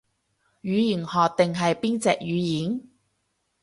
語言學定係邊隻語言